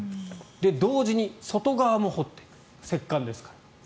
同時に外側も掘っていく石棺ですから。